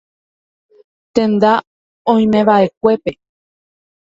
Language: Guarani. Tenda oimeva'ekuépe.